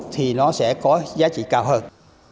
thì nó sẽ có giá trị cao hơn